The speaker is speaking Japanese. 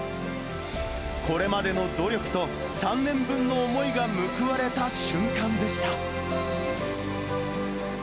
これまでの努力と３年分の思いが報われた瞬間でした。